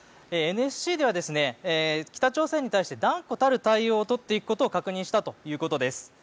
ＮＳＣでは北朝鮮に対して断固たる対応を取っていくことを確認したということです。